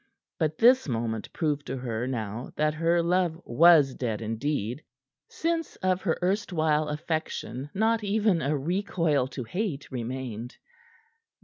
But this moment proved to her now that her love was dead, indeed, since of her erstwhile affection not even a recoil to hate remained.